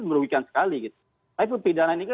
merugikan sekali gitu tapi itu pidananya